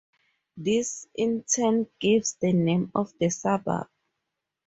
This in turn gives the name of the suburb.